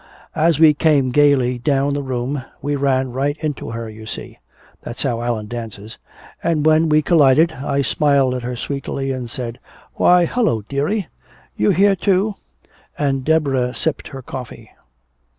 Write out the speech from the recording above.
As we came gaily down the room we ran right into her, you see. That's how Allan dances. And when we collided, I smiled at her sweetly and said, 'Why, hello, dearie you here too?" And Deborah sipped her coffee.